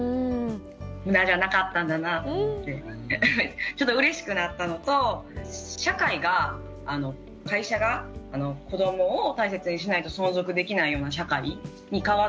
無駄じゃなかったんだなと思ってちょっとうれしくなったのと社会が会社が子どもを大切にしないと存続できないような社会に変わっていく。